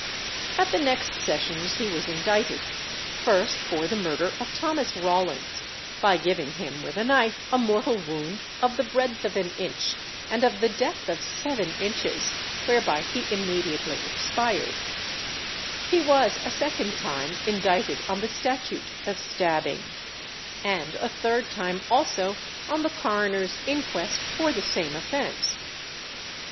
At the next sessions he was indicted, first for the murder of Thomas Rawlins, by giving him with a knife a mortal wound of the breadth of an inch, and of the depth of seven inches, whereby he immediately expired; he was a second time indicted on the Statute of Stabbing; and a third time also on the coroner's inquest, for the same offence.